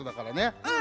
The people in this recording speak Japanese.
うん！